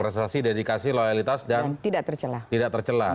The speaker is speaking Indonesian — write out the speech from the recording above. prestasi dedikasi loyalitas dan tidak tercelah